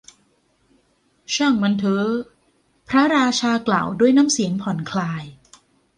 ช่างมันเถอะ พระราชากล่าว ด้วยน้ำเสียงผ่อนคลาย